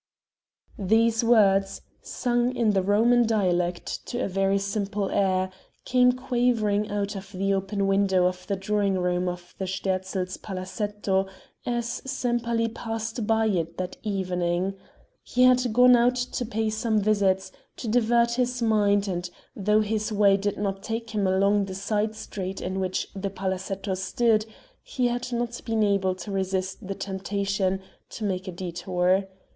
These words, sung in the Roman dialect to a very simple air, came quavering out of the open window of the drawing room of the Sterzls' palazetto as Sempaly passed by it that evening; he had gone out to pay some visits, to divert his mind, and though his way did not take him along the side street in which the palazetto stood, he had not been able to resist the temptation to make a detour.